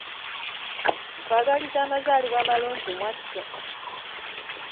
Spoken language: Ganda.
Nkwagaliza amazaalibwa amalungi mwattu.